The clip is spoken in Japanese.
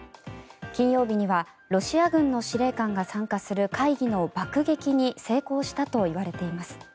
金曜日にはロシア軍の司令官が参加する会議の爆撃に成功したといわれています。